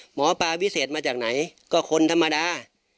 หมอวิเศษมาจากไหนก็คนธรรมดา